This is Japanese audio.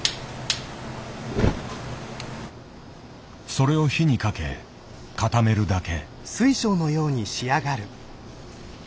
それを火にかけ固めるだけ。